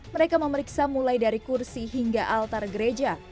mereka memeriksa mulai dari kursi hingga altar gereja